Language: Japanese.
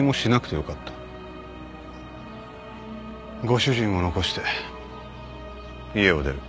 ご主人を残して家を出る。